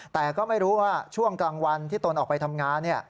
แต่ก็ไม่รู้ว่าช่วงกลางวันที่ตนออกไปทำงาน